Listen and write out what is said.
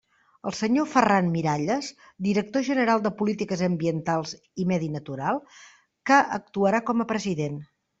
El senyor Ferran Miralles, director general de Polítiques Ambientals i Medi Natural, que actuarà com a president.